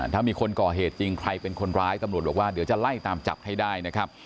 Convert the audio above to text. ถ้ามีคนก่อเหตุจริงใครเป็นคนร้ายตำรวจบอกว่าเดี๋ยวจะไล่ตามจับให้ได้นะครับ